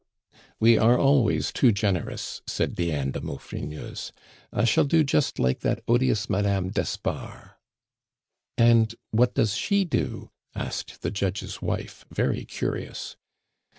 "We are always too generous," said Diane de Maufrigneuse. "I shall do just like that odious Madame d'Espard." "And what does she do?" asked the judge's wife, very curious.